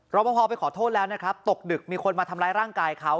ประพอไปขอโทษแล้วนะครับตกดึกมีคนมาทำร้ายร่างกายเขา